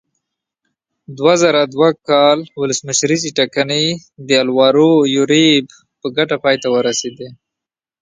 دوه زره دوه کال ولسمشریزې ټاکنې د الوارو یوریب په ګټه پای ته ورسېدې.